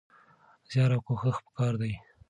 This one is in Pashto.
زيار او کوښښ پکار دی.